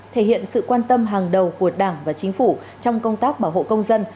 thể hiện sự quan tâm hàng đầu của đảng và chính phủ trong công tác bảo hộ công dân